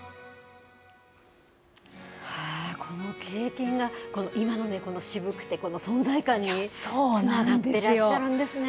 この経験が、今の渋くて、存在感につながってらっしゃるんですね。